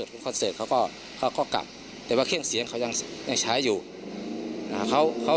จนใดเจ้าของร้านเบียร์ยิงใส่หลายนัดเลยค่ะ